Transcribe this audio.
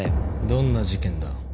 どんな事件だ？